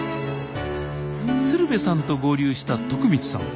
鶴瓶さんと合流した徳光さん